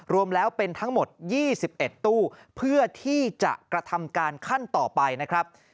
รวมแล้วเป็นทั้งหมด๒๑ตู้เพื่อที่จะกระทำการขั้นต่อไปนะครับ